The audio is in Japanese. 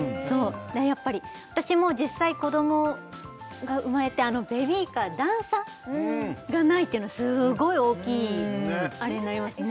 やっぱり私も実際子どもが生まれてあのベビーカー段差がないっていうのはすごい大きいあれになりますね